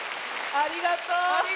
ありがとう！